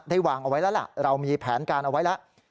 วางเอาไว้แล้วล่ะเรามีแผนการเอาไว้แล้ว